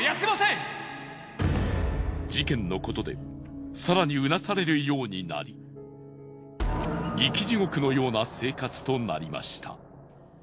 事件のことで更にうなされるようになり生き地獄のような生活となりました。